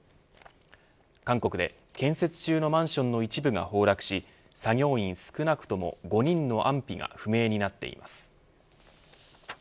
韓国で建設中のマンションの一部が崩落し作業員少なくとも５人の安否が不明になっています。